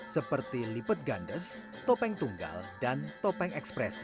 seperti lipet gandes topeng tunggal dan topeng ekspresi